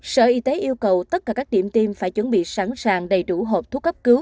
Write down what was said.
sở y tế yêu cầu tất cả các điểm tiêm phải chuẩn bị sẵn sàng đầy đủ hộp thuốc cấp cứu